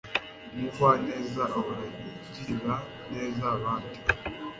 Umugwaneza ahora agirira neza abandi.